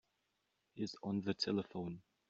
He's on the telephone.